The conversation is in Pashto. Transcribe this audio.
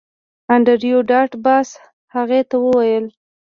انډریو ډاټ باس هغې ته وویل